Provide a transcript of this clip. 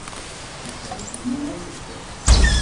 Lferḥ-inu a medden.